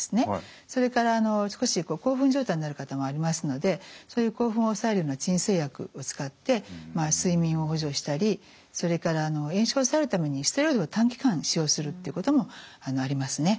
それから少し興奮状態になる方もありますのでそういう興奮を抑えるような鎮静薬を使ってまあ睡眠を補助したりそれから炎症を抑えるためにステロイドを短期間使用するっていうこともありますね。